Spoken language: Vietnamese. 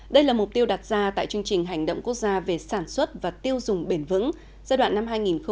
đây là mục tiêu đặt ra tại chương trình hành động quốc gia về sản xuất và tiêu dùng bền vững giai đoạn năm hai nghìn hai mươi một hai nghìn ba mươi